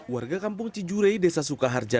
warga kampung cijure desa sukaharja